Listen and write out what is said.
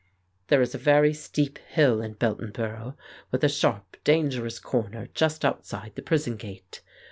"There is a very steep hill in Beltonborough with a sharp, dangerous corner just outside the prison gate.